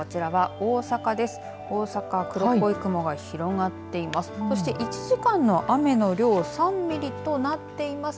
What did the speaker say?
大阪は黒っぽい雲が広がっています。